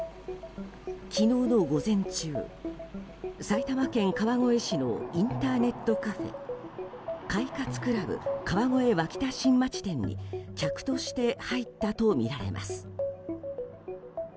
昨日の午前中、埼玉県川越市のインターネットカフェ快活ＣＬＵＢ川越脇田新町店に客として入ったとみられます。